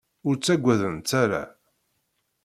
Ur ttaggadent ara.